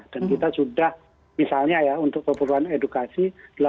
dan kita sudah misalnya ya untuk perubahan edukasi